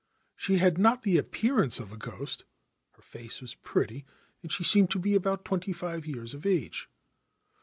She had not the appearance of a ghost ; her face was pretty, and she seemed to be about twenty five years of age.